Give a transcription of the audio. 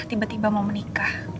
tiba tiba mau menikah